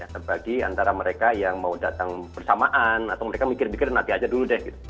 terbagi antara mereka yang mau datang bersamaan atau mereka mikir mikir nanti aja dulu deh gitu